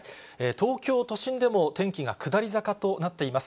東京都心でも天気が下り坂となっています。